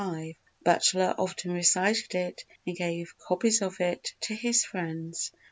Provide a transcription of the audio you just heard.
Butler often recited it and gave copies of it to his friends.